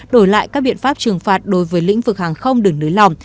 đổi lại các biện pháp trừng phạt đối với lĩnh vực hàng không đường nưới lòng